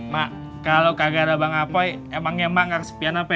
mak kalo kagak ada bang apoy emangnya mak gak kesepian apa ya